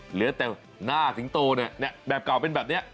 เหลือแต่หน้าสิงโตเนี่ยแบบเก่าเป็นแบบนี้